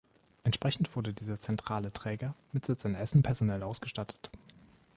Entsprechend wurde dieser zentrale Träger mit Sitz in Essen personell ausgestattet.